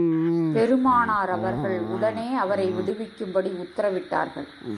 பெருமானார் அவர்கள், உடனே அவரை விடுவிக்கும்படி உத்தரவிட்டார்கள்.